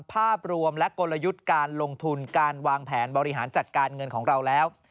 ภาพรวมและกลยุทธ์การลงทุนการวางแผนบริหารจัดการเงินของเราแล้ว